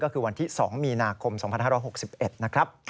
ก็คือวันที่๒มีนาคม๒๕๖๑นะครับ